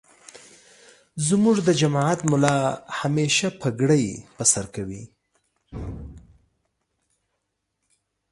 زمونږ دجماعت ملا همیشه پګړی پرسرکوی.